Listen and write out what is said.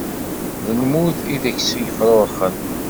D lmut i deg-s yefrurxen.